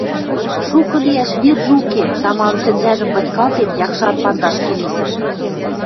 — Шукы лиӓш виржӹ уке, — тамалын сӹнзӓжӹм пытькалтен «якшар пандаш» келесӹш.